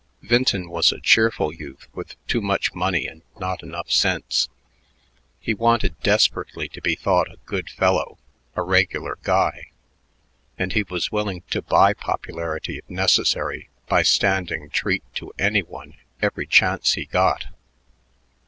Vinton was a cheerful youth with too much money and not enough sense. He wanted desperately to be thought a good fellow, a "regular guy," and he was willing to buy popularity if necessary by standing treat to any one every chance he got.